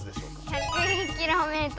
１００ｋｍ。